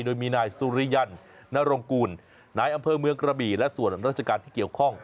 โดยมีนายสุริยันนรงกูลนายอำเภอเมืองกระบี่และส่วนราชการที่เกี่ยวข้อง